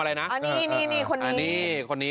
สาธุ